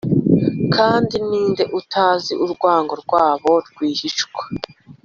Kandi ninde utazi urwango rwabo rwihishwa